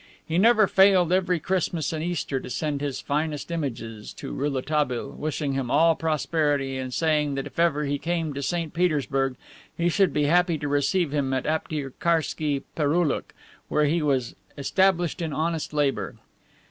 He never failed every Christmas and Easter to send his finest images to Rouletabille, wishing him all prosperity and saying that if ever he came to St. Petersburg he should be happy to receive him at Aptiekarski Pereoulok, where he was established in honest labor.